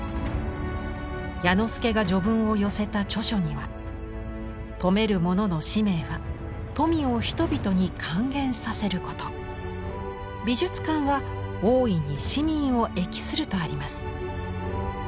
彌之助が序文を寄せた著書には「富める者の使命は富を人々に還元させること」「美術館は大いに市民を益する」とあります。